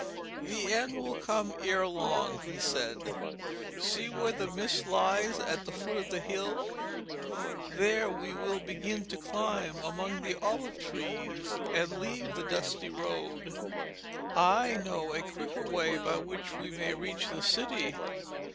'The end will come ere long,' he said. 'See where the mist lies at the foot of the hill; there we will begin to climb among the olive trees and leave the dusty road. I know a quicker way by which we may reach the city.